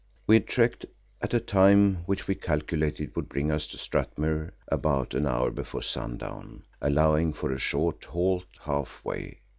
We had trekked at a time which we calculated would bring us to Strathmuir about an hour before sundown, allowing for a short halt half way.